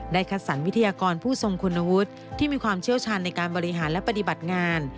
คัดสรรวิทยากรผู้ทรงคุณวุฒิที่มีความเชี่ยวชาญในการบริหารและปฏิบัติงาน